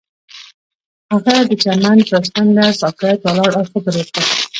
هغه د چمن پر څنډه ساکت ولاړ او فکر وکړ.